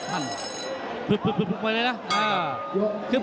ตามต่อยกที่สองครับ